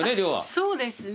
そうですね。